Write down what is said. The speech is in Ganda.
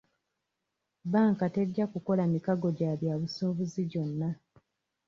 Bbanka tejja kukola mikago gya byabusubuuzi gyonna.